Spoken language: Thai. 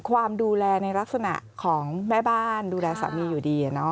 ความดูแลในลักษณะของแม่บ้านดูแลสามีอยู่ดี